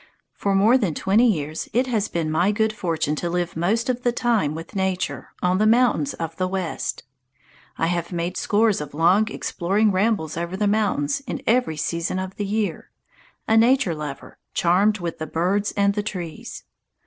For more than twenty years it has been my good fortune to live most of the time with nature, on the mountains of the West. I have made scores of long exploring rambles over the mountains in every season of the year, a nature lover charmed with the birds and the trees.